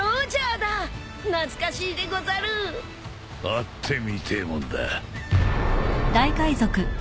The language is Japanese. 会ってみてえもんだ。